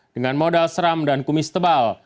dengan modal seram dan kumis tebal